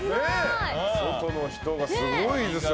外の人がすごいですよ。